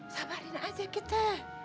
sabarin aja kita